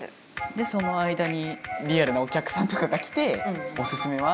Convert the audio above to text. その間にリアルなお客さんとかが来ておすすめは？